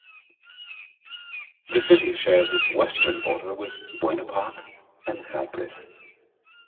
The city shares its western border with Buena Park and Cypress.